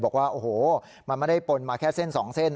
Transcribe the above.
บอกว่าโอ้โหมันไม่ได้ปนมาแค่เส้น๒เส้น